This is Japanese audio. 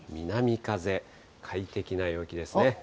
南風、快適な陽気ですね。